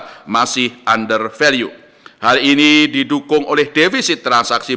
nilai tukar rupiah diperlukan untuk memalukan modal asing ke pasar keuangan domestik